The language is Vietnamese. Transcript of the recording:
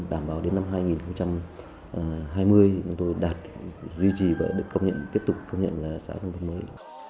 đảm bảo đến năm hai nghìn hai mươi chúng tôi đạt duy trì và được công nhận tiếp tục công nhận là xã nông thôn mới